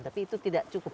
tapi itu tidak cukup